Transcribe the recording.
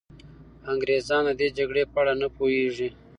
انګریزان د دې جګړې په اړه نه پوهېږي.